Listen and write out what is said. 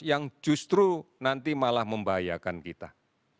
yang justru nanti menyebabkan kita berpikir pikir